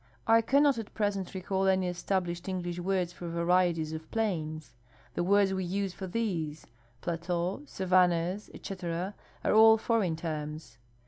I cannot at present recall any established English words for varieties of plains. The words we use for these — plateaux, savannas, etc. — are all foreign terms.